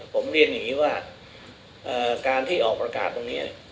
ผมเรียนอย่างนี้ว่าการที่ออกประกาศตรงนี้